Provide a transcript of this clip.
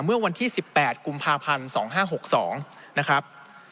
เมื่อวันที่๑๘กุมภาพันธ์๒๕๖๒นะครับ